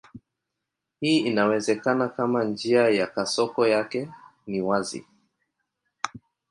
Hii inawezekana kama njia ya kasoko yake ni wazi.